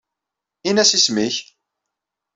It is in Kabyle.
Inas isem-ik.